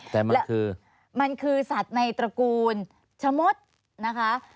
แต่มันคือมันคือสัตว์ในตระกูลชะมดนะคะ